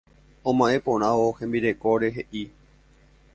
Oma'ẽ porãvo hembirekóre he'i.